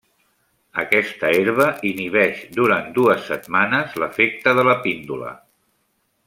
Aquesta herba inhibeix durant dues setmanes l'efecte de la píndola.